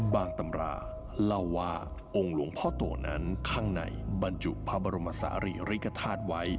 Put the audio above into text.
ตำราเล่าว่าองค์หลวงพ่อโตนั้นข้างในบรรจุพระบรมศาลีริกฐาตุไว้